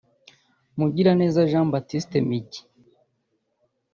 Mugiraneza Jean Baptiste Migi